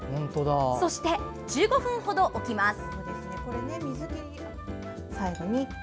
そして１５分程置きます。